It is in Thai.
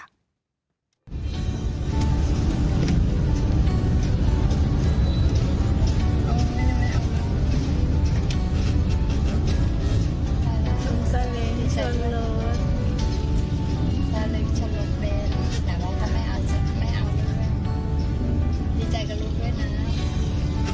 ดีใจกับรุ่นเพื่อนนะ